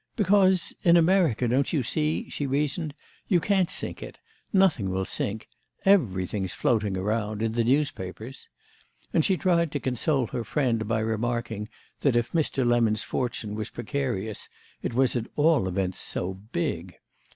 "Because in America, don't you see?" she reasoned, "you can't sink it—nothing will sink. Everything's floating about—in the newspapers." And she tried to console her friend by remarking that if Mr. Lemon's fortune was precarious it was at all events so big.